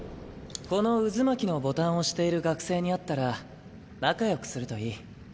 この渦巻きのボタンをしている学生に会ったら仲よくするといい。